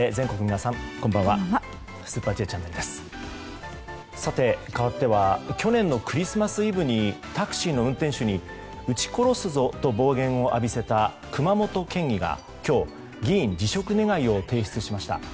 さて、かわっては去年のクリスマスイブにタクシーの運転手にうち殺すぞと暴言を浴びせた熊本県議が今日議員辞職願を提出しました。